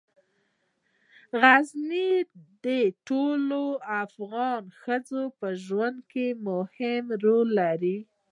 غزني د ټولو افغان ښځو په ژوند کې مهم رول لري.